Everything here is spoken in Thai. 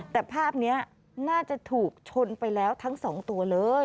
แต่ภาพนี้น่าจะถูกชนไปแล้วทั้งสองตัวเลย